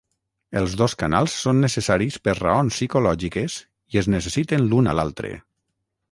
Els dos canals són necessaris per raons psicològiques i es necessiten l'un a l'altre.